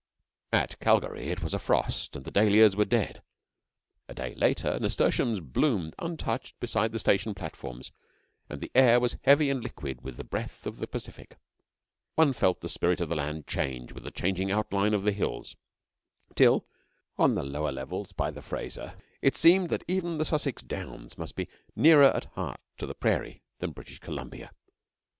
At Calgary it was a frost, and the dahlias were dead. A day later nasturtiums bloomed untouched beside the station platforms, and the air was heavy and liquid with the breath of the Pacific. One felt the spirit of the land change with the changing outline of the hills till, on the lower levels by the Fraser, it seemed that even the Sussex Downs must be nearer at heart to the Prairie than British Columbia.